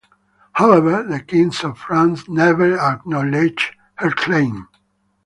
However, the kings of France never acknowledged her claim.